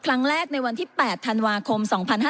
ครั้งแรกในวันที่๘ธันวาคม๒๕๕๙